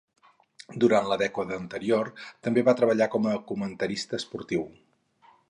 Durant la dècada anterior també va treballar com a comentarista esportiu.